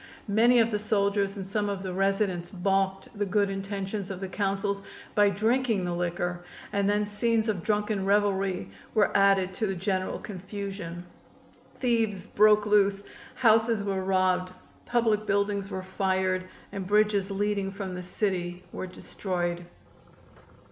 Many of the soldiers and some of the residents balked the good intentions of the Councils by drinking the liquor, and then scenes of drunken revelry were added to the general confusion. Thieves broke loose, houses were robbed, public buildings were fired and bridges leading from the city were destroyed.